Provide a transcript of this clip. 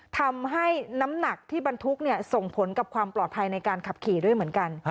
ทำให้น้ำหนักที่บรรทุกส่งผลกับความปลอดภัยในการขับขี่ด้วยเหมือนกัน